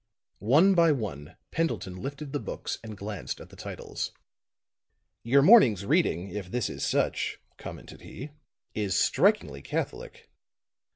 One by one Pendleton lifted the books and glanced at the titles. "Your morning's reading, if this is such," commented he, "is strikingly catholic.